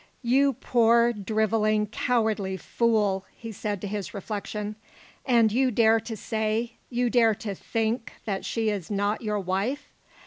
"You poor, drivelling, cowardly fool!" he said to his reflection. "And you dare to say you dare to think that she is not your wife?"